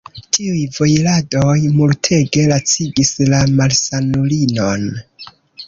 Tiuj vojiradoj multege lacigis la malsanulinon.